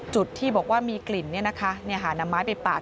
จุดที่บอกว่ามีกลิ่นนำไม้ไปปาก